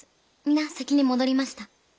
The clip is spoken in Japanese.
皆先に戻りました。